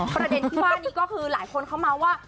ประเด็นที่ว่านี้ก็คือหลายคนเขาเมาส์ว่า